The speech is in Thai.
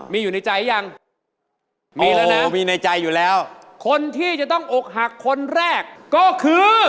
มีใจอยู่แล้วคนที่จะต้องอกหักคนแรกก็คือ